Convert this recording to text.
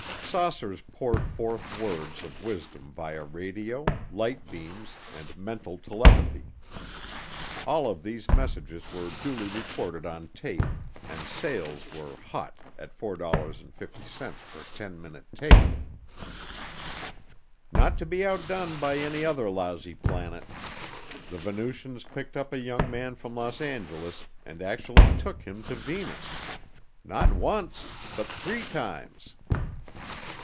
Saucers poured forth words of wisdom via radio, light beams and mental telepathy. All of these messages were duly recorded on tape and sales were hot at $4.50 per 10 minute tape. Not to be outdone by any other lousy planet, the Venusians picked up a young man from Los Angeles and actually took him to Venus. Not once, but three times.